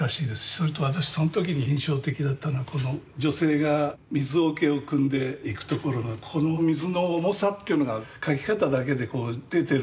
それと私その時に印象的だったのはこの女性が水桶をくんでいくところのこの水の重さっていうのが描き方だけでこう出てるんですよね。